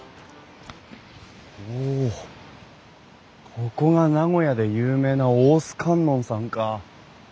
ここが名古屋で有名な大須観音さんか。